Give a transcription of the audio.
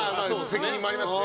責任もありますしね。